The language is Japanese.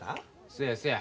そやそや。